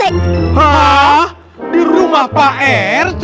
hah di rumah pak r